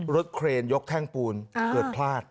เครนยกแท่งปูนเกิดพลาด